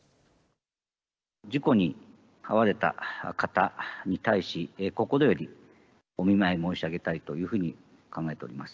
事故に遭われた方に対し、心よりお見舞い申し上げたいというふうに考えております。